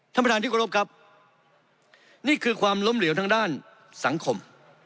ท่านประธานที่กรบครับนี่คือความล้มเหลวทางด้านสังคม